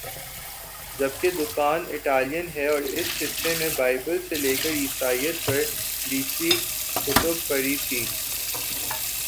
جبکہ دکان اٹالین ہے اور اس حصہ میں بائبل سے لیکر عیسائیت پر بیسیوں کتب پڑی تھیں